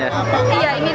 iya ini liburan akhir pekan